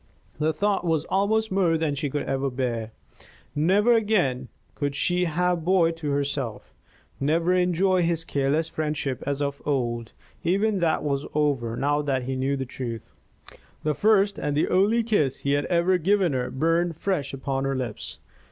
The thought was almost more than she could bear. Never again could she have Boyd to herself, never enjoy his careless friendship as of old; even that was over, now that he knew the truth. The first and only kiss he had ever given her burned fresh upon her lips.